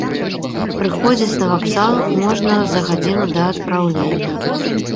Прыходзіць на вакзал можна за гадзіну да адпраўлення.